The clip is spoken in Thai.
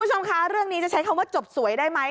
คุณผู้ชมคะเรื่องนี้จะใช้คำว่าจบสวยได้ไหม